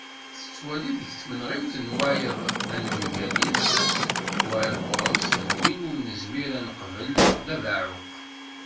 Tettwali deg tmenɣiwt n wayeḍ d anemgal-is: wayeḍ ɣur-s, d win ur nezmir ad neqbel, d abeɛɛuq.